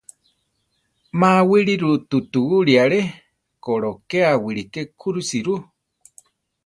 Má awíriru tutugurí aré; kolokéa wiliké kúrusi ru.